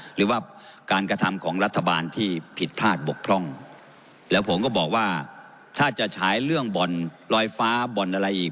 หรือว่าการกระทำของรัฐบาลที่ผิดพลาดบกพร่องแล้วผมก็บอกว่าถ้าจะฉายเรื่องบ่อนลอยฟ้าบ่อนอะไรอีก